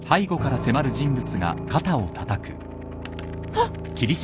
あっ！？